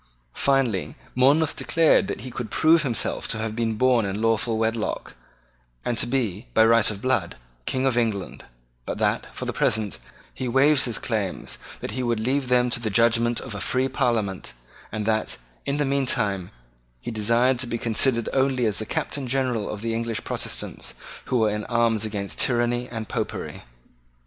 Finally Monmouth declared that he could prove himself to have been born in lawful wedlock, and to be, by right of blood, King of England, but that, for the present, he waived his claims, that he would leave them to the judgment of a free Parliament, and that, in the meantime, he desired to be considered only as the Captain General of the English Protestants, who were in arms against tyranny and Popery.